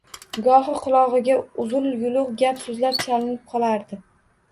Goho qulog`iga uzuq-yuluq gap-so`zlar chalinib qolardi